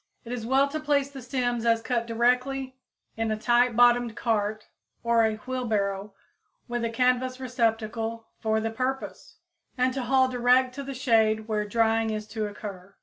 It is well to place the stems as cut directly in a tight bottomed cart or a wheelbarrow, with a canvas receptacle for the purpose, and to haul direct to the shade where drying is to occur.